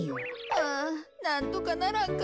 ああなんとかならんかな。